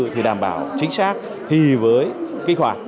thì đảm bảo chính xác thì với kích hoạt